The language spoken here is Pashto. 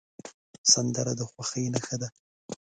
سندره د خوښۍ نښه ده